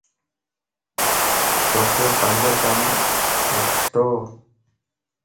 توک پانجو ڪم وڻتو؟